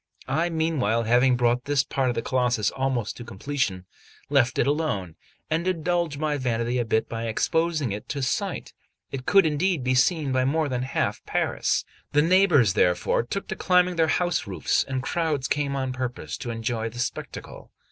I meanwhile having brought this part of the Colossus almost to completion, left it alone, and indulged my vanity a bit by exposing it to sight; it could, indeed be seen by more than half Paris. The neighbours, therefore, took to climbing their house roofs, and crowds came on purpose to enjoy the spectacle.